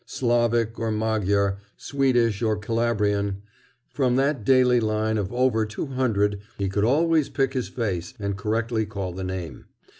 Slavic or Magyar, Swedish or Calabrian, from that daily line of over two hundred he could always pick his face and correctly call the name.